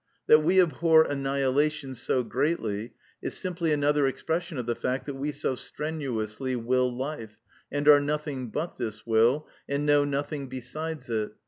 That we abhor annihilation so greatly, is simply another expression of the fact that we so strenuously will life, and are nothing but this will, and know nothing besides it.